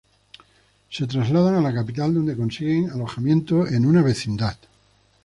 Se trasladan a la capital donde consiguen alojamiento en una vecindad.